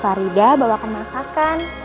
farida bawakan masakan